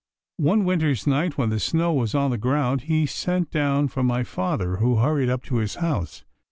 One winter's night when the snow was on the ground he sent down for my father, who hurried up to his house.